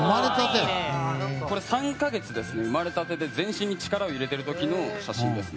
３か月です、生まれたてで全身に力を入れてる時の写真ですね。